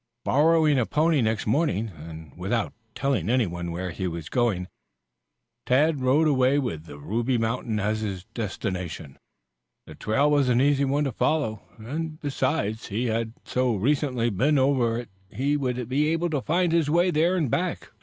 Borrowing a pony next morning, and without telling anyone where he was going, Tad rode away with the Ruby Mountain as his destination. The trail was an easy one to follow and, besides, he had so recently been over it that he would be able to find his way there and back.